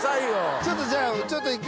ちょっとじゃあ一回。